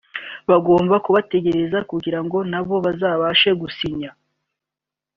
bagomba kubategereza kugira ngo nabo bazabashe gusinya